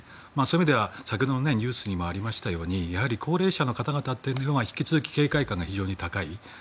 そういう意味では先ほどニュースにありましたように高齢者の方々というのが警戒感が高い。